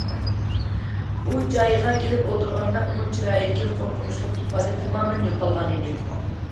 ئۇ جايىغا كېلىپ ئولتۇرغاندا ئۇنىڭ چىرايىدىكى قورقۇنچلۇق ئىپادە تامامەن يوقالغانىدى.